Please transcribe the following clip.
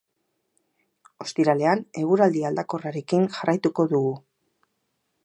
Ostiralean, eguraldi aldakorrarekin jarraituko dugu.